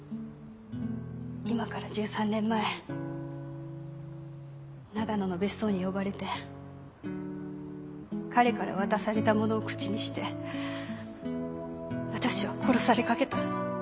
今から１３年前長野の別荘に呼ばれて彼から渡されたものを口にして私は殺されかけた